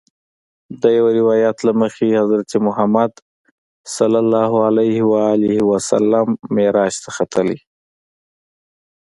د یوه روایت له مخې حضرت محمد صلی الله علیه وسلم معراج ته ختلی.